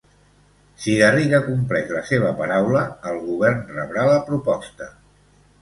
Si Garriga compleix la seva paraula, el Govern rebrà la proposta.